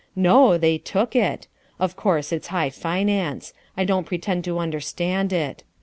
No, they took it. Of course it's high finance. I don't pretend to understand it.